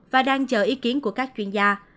và đang chờ ý kiến của các chuyên gia